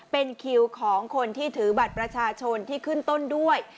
เป็นคิวของคนที่ถือบัตรประชาชนที่ขึ้นต้นด้วย